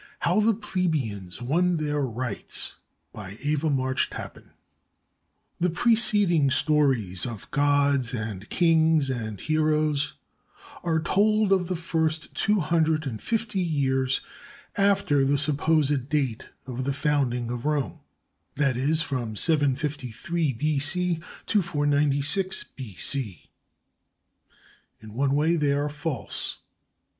HOW THE PLEBEIANS WON THEIR RIGHTS BY EVA MARCH TAPPAN The preceding stories of gods and kings and heroes are told of the first two hundred and fifty years after the supposed date of the founding of Rome, that is, from 753 B.C. to 496 B.C. In one way they are false.